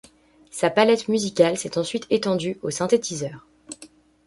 Sa palette musicale s'est ensuite étendue aux synthétiseurs.